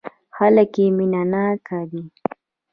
خلک يې مينه ناک دي.